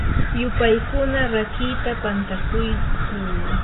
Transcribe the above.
yupaykuna rakiita pantakuyquu.